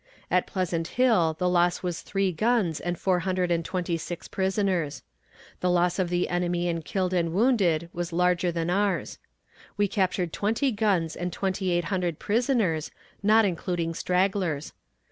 At Pleasant Hill the loss was three guns and four hundred and twenty six prisoners. The loss of the enemy in killed and wounded was larger than ours. We captured twenty guns and twenty eight hundred prisoners, not including stragglers.